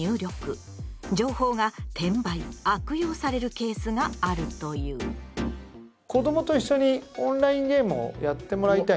情報が転売・悪用されるケースがあるという。と思いますね。